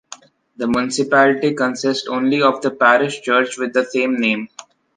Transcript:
The municipality consists only of the parish church with the same name.